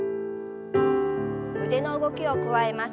腕の動きを加えます。